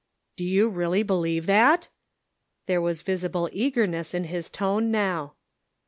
"Do you really believe that?" There was visible eagerness in his tone now.